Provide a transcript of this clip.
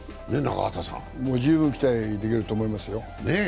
もう十分期待できると思いますよ。